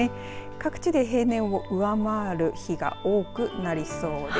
各地で平年を上回る日が多くなりそうです。